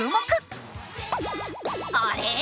あれ？